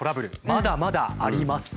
まだまだあります。